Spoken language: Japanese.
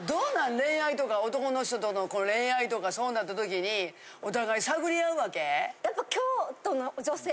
恋愛とか男の人との恋愛とかそうなった時にお互い探り合うわけ？